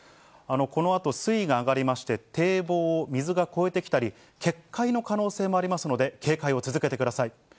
このあと水位が上がりまして、堤防を水が越えてきたり、決壊の可能性もありますので、警戒を続けてください。